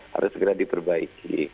harus segera diperbaiki